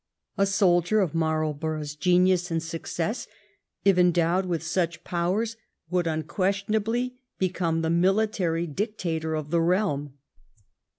A soldier of Marlborough's genius and success, if endowed with such powers, would un questionably become the military dictator of the realm.